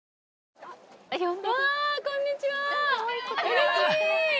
うれしい！